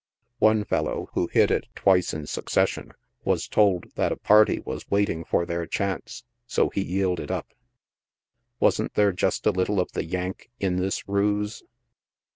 Ono fellow, who hit it twice in succession, was told that a party was waiting for their chance, so he yielded up. Wasn't there just a lit tle of the " Yank" in this ruse